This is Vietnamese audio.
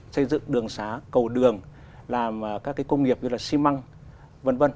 xây dựng đường xá cầu đường làm các công nghiệp như là xi măng v v